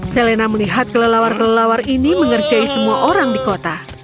selena melihat kelelawar kelelawar ini mengerjai semua orang di kota